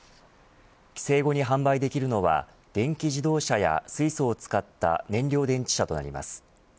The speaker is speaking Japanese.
規制後に販売できるのは電気自動車や水素を使った燃料電池車となります。